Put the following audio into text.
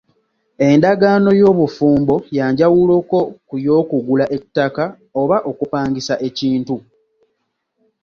Endagaano y’obufumbo ya njawuloko ku y’okugula ettaka oba okupangisa ekintu.,